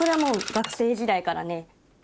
学生時代から？